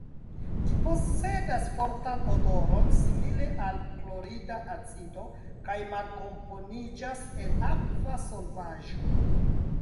Ĝi posedas fortan odoron simile al klorida acido kaj malkomponiĝas en akva solvaĵo.